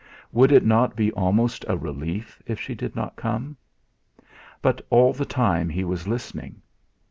Would it not be almost a relief if she did not come? But all the time he was listening.